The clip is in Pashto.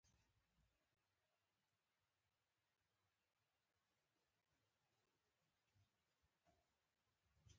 لاندې پوښتنو ته ځواب و وایئ په پښتو ژبه.